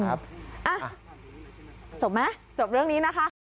จบไหมจบเรื่องนี้นะคะ